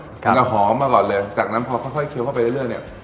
มันจะหอมมาก่อนเลยจากนั้นพอค่อยเคี้ยวเข้าไปเรื่อยเนี่ย